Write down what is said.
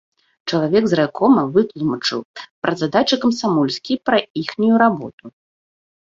Чалавек з райкома вытлумачыў пра задачы камсамольскія, пра іхнюю работу.